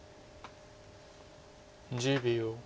１０秒。